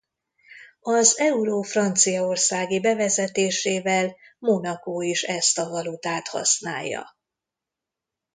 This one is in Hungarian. Az euró franciaországi bevezetésével Monaco is ezt a valutát használja.